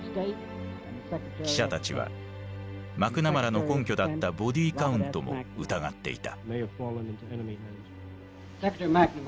記者たちはマクナマラの根拠だったボディカウントも疑っていた。